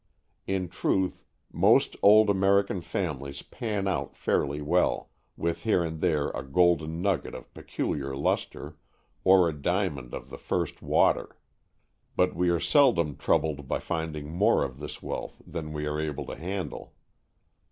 In truth, most old American families pan out fairly well, with here and there a golden nugget of peculiar lustre, or a diamond of the first water; but we are seldom troubled by finding more of this wealth than we are able to handle.